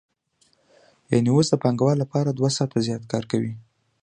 یانې اوس د پانګوال لپاره دوه ساعته زیات کار کوي